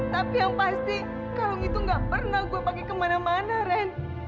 tapi yang pasti kalau gitu gak pernah gue pakai kemana mana ren